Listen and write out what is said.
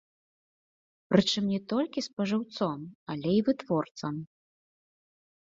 Прычым не толькі спажыўцом, але і вытворцам.